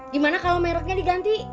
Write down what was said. gimana kalau merknya diganti